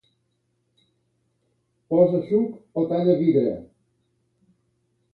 Posa suc o talla vidre.